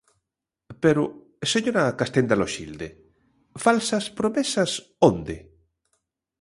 Pero, señora Castenda Loxilde, ¿falsas promesas onde?